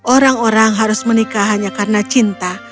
orang orang harus menikah hanya karena cinta